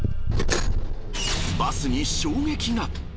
バスに衝撃が。